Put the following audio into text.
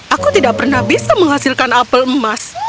aku tidak pernah bisa menghasilkan apel emas